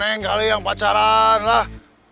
sering kali yang pacaran lah